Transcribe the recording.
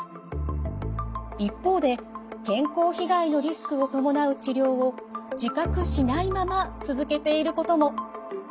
一方で健康被害のリスクを伴う治療を自覚しないまま続けていることも。